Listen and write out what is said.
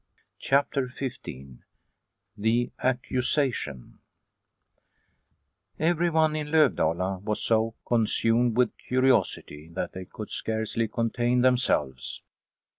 CHAPTER XV THE ACCUSATION "T7VERYONE in Lovdala was so consumed .TIL with curiosity that they could scarcely contain themselves.